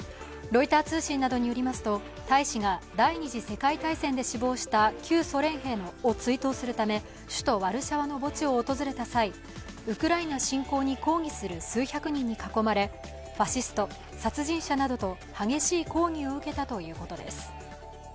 ロイター通信などによりますと、大使が第二次世界大戦で死亡した旧ソ連兵を追悼するため首都ワルシャワの墓地を訪れた際、ウクライナ侵攻に抗議する数百人に囲まれ、ファシスト、殺人者などと激しい抗議を受けたということです。